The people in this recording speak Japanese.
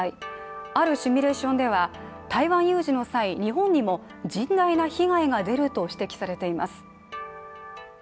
あるシミュレーションでは、台湾有事の際、日本にも甚大な被害が出ると指摘されています。